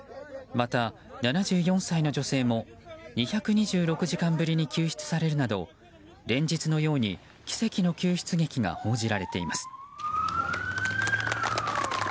また、７４歳の女性も２２６時間ぶりに救出されるなど連日のように奇跡の救出劇が報じられています。